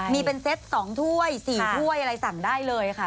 มีเป็นเซ็ต๒ถ้วย๔ถ้วยอะไรสั่งได้เลยค่ะ